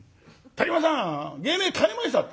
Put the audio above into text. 「竹丸さん芸名変えました」って。